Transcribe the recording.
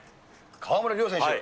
川村怜選手。